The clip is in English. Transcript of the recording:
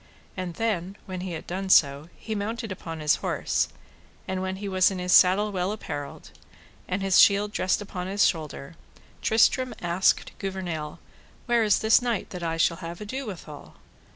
And then when he had so done he mounted upon his horse; and when he was in his saddle well apparelled, and his shield dressed upon his shoulder, Tristram asked Gouvernail, Where is this knight that I shall have ado withal?